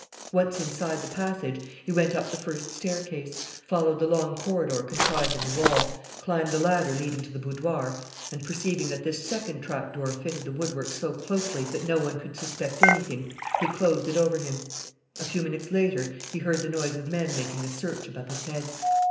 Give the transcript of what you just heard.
Once inside the passage, he went up the first staircase, followed the long corridor contrived in the wall, climbed the ladder leading to the boudoir, and, perceiving that this second trapdoor fitted the woodwork so closely that no one could suspect anything, he closed it over him. A few minutes later he heard the noise of men making a search above his head.